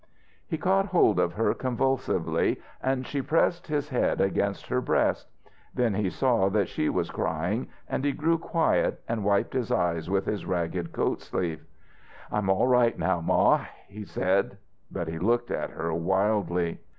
He caught hold of her convulsively, and she pressed his head against her breast. Then he saw that she was crying, and he grew quiet, and wiped his eyes with his ragged coat sleeve. "I'm all right now, Ma," he said; but he looked at her wildly.